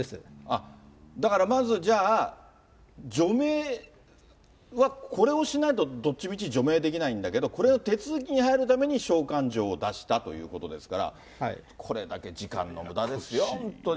だから、まずじゃあ、除名は、これをしないと、どっちみち除名できないんだけども、これを手続きに入るために、召喚状を出したということですから、これだけ時間のむだですよ、本当に。